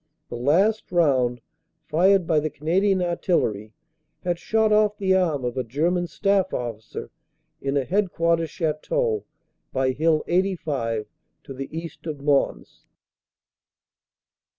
The last round fired by the Canadian artillery had shot off the arm of a German staff officer in a Headquarters Chateau by Hill 85 to the east of Mons.